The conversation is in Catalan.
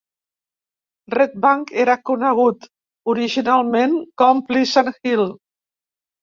Red Bank era conegut originalment com Pleasant Hill.